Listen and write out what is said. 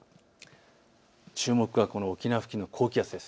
注目は沖縄付近の高気圧です。